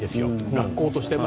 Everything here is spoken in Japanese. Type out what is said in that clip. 学校としては。